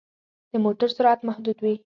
د موټر سرعت محدود وي.